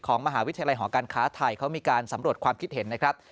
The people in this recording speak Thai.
มหาวิทยาลัยหอการค้าไทยเขามีการสำรวจความคิดเห็นนะครับ